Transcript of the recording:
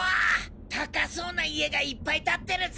高そうな家がいっぱい建ってるぞ！